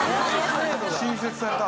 新設された。